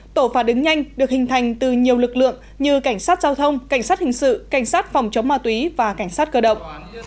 tổ phản ứng nhanh được hình thành từ nhiều lực lượng như cảnh sát giao thông cảnh sát hình sự cảnh sát phòng chống ma túy và cảnh sát cơ động